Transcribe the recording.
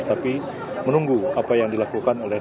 tapi menunggu apa yang dilakukan oleh